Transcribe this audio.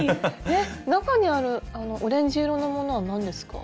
中にあるオレンジ色のものは何ですか？